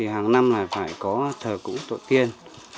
hàng năm phải có thờ cũ tội tiên